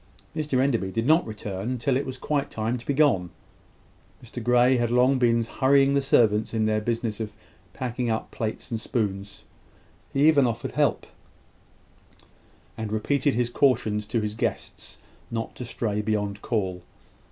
Mr Enderby did not return till it was quite time to be gone. Mr Grey had long been hurrying the servants in their business of packing up plates and spoons. He even offered help, and repeated his cautions to his guests not to stray beyond call.